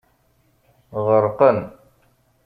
Ɣerqen.